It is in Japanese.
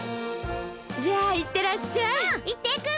じゃあいってらっしゃい。